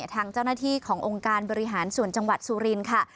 ทางเจ้าหน้าที่ขององค์การบริหารส่วนจังหวัดสุรินทร์ค่ะ